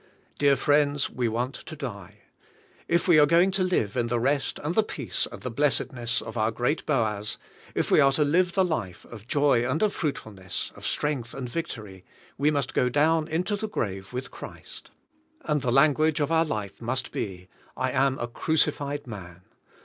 Dear friends, we want to die. If we are to live in the rest, and the peace, and the blessedness of our great Boaz; if we are to live a life of joy and of fruitfulness, of strength and of victory, we must go down into the grave with Christ, and the language of our life must be: "I am a crucified man.